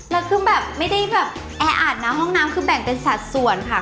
แล้วคือแบบไม่ได้แบบแออัดนะห้องน้ำคือแบ่งเป็นสัดส่วนค่ะ